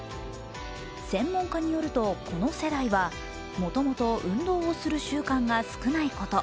専門家によると、この世代はもともと運動をする習慣が少ないこと、